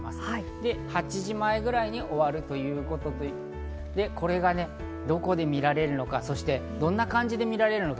で、８時前ぐらいに終わるということで、これがどこで見られるのか、そしてどんな感じで見られるのか？